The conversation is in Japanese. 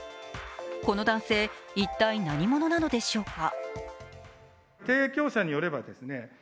この男性、一体何者なのでしょうか。